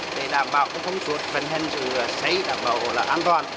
để đảm bảo công suất phần hình sự xấy đảm bảo là an toàn